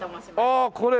ああこれ？